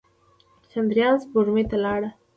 چندریان سپوږمۍ ته لاړ.